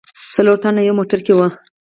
څلور تنه یو موټر کې و.